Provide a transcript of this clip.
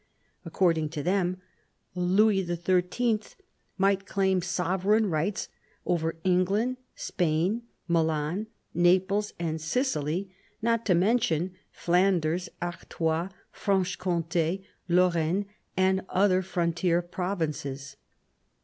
According to them, Louis XIII. might claim sovereign rights over England, Spain, Milan, Naples, and Sicily, not to mention Flanders, Artois, Franche Comte, Lorraine, and other frontier provinces.